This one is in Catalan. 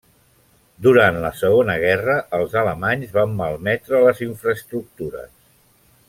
Durant la segona guerra els alemanys van malmetre les infraestructures.